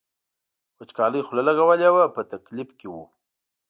وچکالۍ خوله لګولې وه په تکلیف کې و.